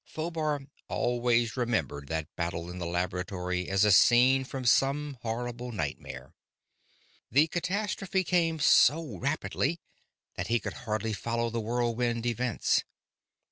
Phobar always remembered that battle in the laboratory as a scene from some horrible nightmare. The catastrophe came so rapidly that he could hardly follow the whirlwind events.